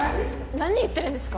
何言ってるんですか